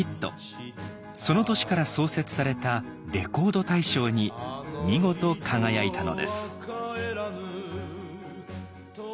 その年から創設されたレコード大賞に見事輝いたのです。